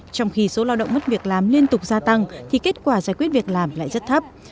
trong khi số lao động mất việc làm liên tục gia tăng thì kết quả giải quyết việc làm lại rất thấp